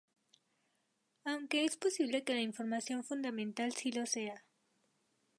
Aunque es posible que la información fundamental sí lo sea.